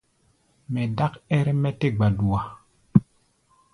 Mɛ dák ɛ́r-mɛ́ tɛ́ gbadua.